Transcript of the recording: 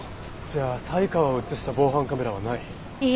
じゃあ才川を映した防犯カメラはない。